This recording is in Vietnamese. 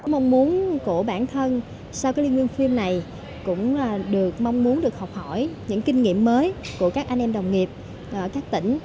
mong muốn của bản thân sau liên nguyên phim này cũng được mong muốn được học hỏi những kinh nghiệm mới của các anh em đồng nghiệp ở các tỉnh